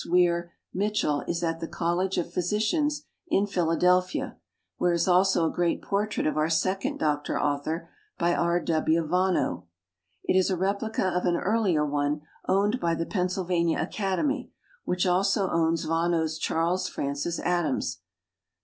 Weir MitcheU is at the CoUege of Physicians in Philadelphia, where is also a great portrait of our second doc tor author by R. W. Vonnoh. It is a replica of an earlier one owned by the Pennsylvania Academy, which also owns Vonnoh's Charles Francis Adams. Dr.